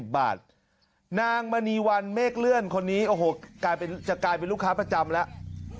๑๕๐บาทนางมณีวันเมฆเลื่อนคนนี้โอ้โหกลายเป็นจะกลายเป็นลูกค้าประจำแล้ว